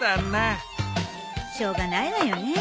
しょうがないわよね。